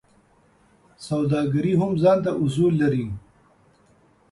سوداګري هم ځانته اصول لري.